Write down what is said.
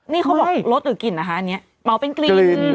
นี่เขาบอกรสหรือกลิ่นอ่ะฮะอันนี้